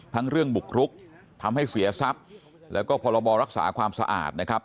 เรื่องบุกรุกทำให้เสียทรัพย์แล้วก็พรบรักษาความสะอาดนะครับ